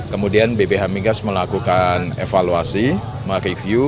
kemudian bph migas melakukan evaluasi mereview